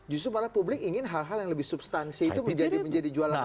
jadi para publik ingin hal hal yang lebih substansi itu menjadi jualan apa ini